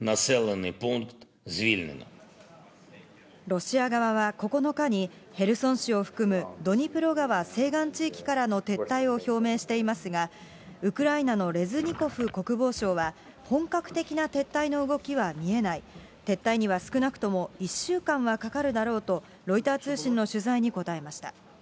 ロシア側は９日に、ヘルソン市を含むドニプロ川西岸地域からの撤退を表明していますが、ウクライナのレズニコフ国防相は、本格的な撤退の動きは見えない、撤退には少なくとも１週間はかかるだろうと、ロイター通信の取材に答えました。